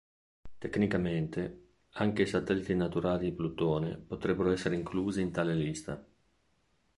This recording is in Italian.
Tecnicamente, anche i satelliti naturali di Plutone potrebbero essere inclusi in tale lista.